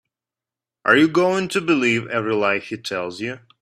Are you going to believe every lie he tells you?